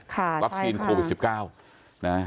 ค่ะใช่ค่ะวัคซีนโพหฟิสสิบเก้านะฮะ